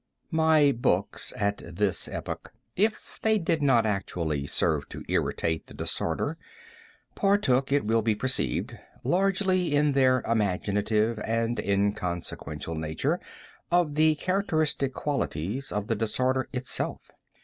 My books, at this epoch, if they did not actually serve to irritate the disorder, partook, it will be perceived, largely, in their imaginative and inconsequential nature, of the characteristic qualities of the disorder itself.